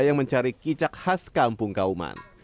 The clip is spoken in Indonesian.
yang mencari kicak khas kampung kauman